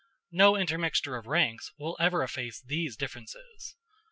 No intermixture of ranks will ever efface these differences.